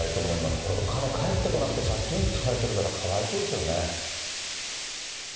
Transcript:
これ、お金返ってこなくて借金されている方、かわいそうですよね。